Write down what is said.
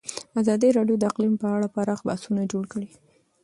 ازادي راډیو د اقلیم په اړه پراخ بحثونه جوړ کړي.